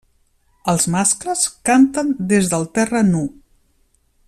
Els mascles canten des del terra nu.